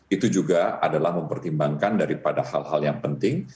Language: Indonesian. itu juga adalah mempertimbangkan daripada hal hal yang penting